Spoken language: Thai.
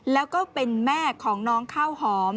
แล้วก็เป็นแม่ของน้องข้าวหอม